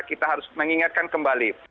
kita harus mengingatkan kembali